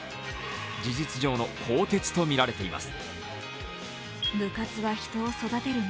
事実上の更迭とみられています。